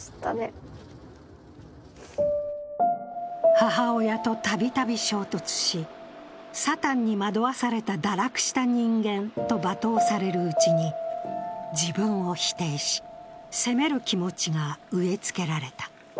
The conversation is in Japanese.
母親とたびたび衝突し、サタンに惑わされた堕落した人間と罵倒されるうちに、自分を否定し、責める気持ちが植え付けられた。